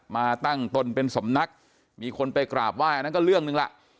มาตั้งตนเป็นสำนักมีคนไปกราบไห้องอันนั้นก็เรื่องหนึ่งล่ะ